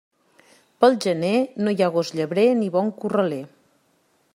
Pel gener no hi ha gos llebrer ni bon corraler.